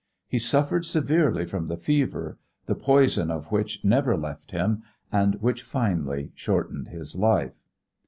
He suffered severely from the fever, the poison of which never left him and which finally shortened his life.